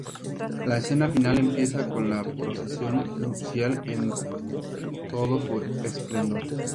La escena final empieza con la procesión nupcial en todo su esplendor.